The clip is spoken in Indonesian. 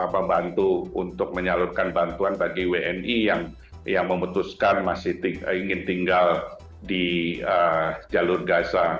membantu untuk menyalurkan bantuan bagi wni yang memutuskan masih ingin tinggal di jalur gaza